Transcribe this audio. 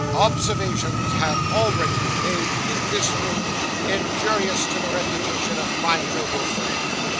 Observations have already been made, in this room, injurious to the reputation of my noble friend.